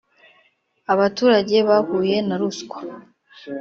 Abaturage bahuye na ruswa .